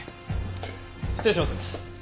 失礼します。